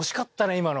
今の。